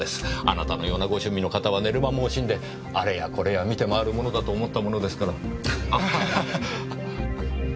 あなたのようなご趣味の方は寝る間も惜しんであれやこれや見て回るものだと思ったものですから。